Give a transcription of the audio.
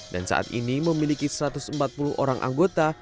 saat ini memiliki satu ratus empat puluh orang anggota